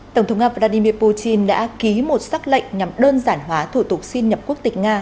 tổng thống nga vladimir putin đã ký một xác lệnh nhằm đơn giản hóa thủ tục xin nhập quốc tịch nga